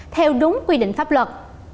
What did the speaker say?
theo đúng quy định pháp luật